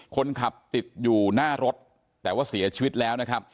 คนขับติดอยู่หน้ารถแต่ว่าเสียชีวิตแล้วนะครับ